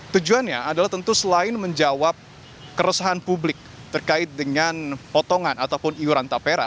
tujuannya adalah tentu selain menjawab keresahan publik terkait dengan potongan ataupun iuran tapera